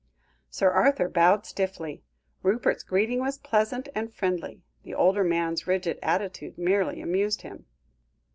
Sir Arthur bowed stiffly. Rupert's greeting was pleasant and friendly; the older man's rigid attitude merely amused him.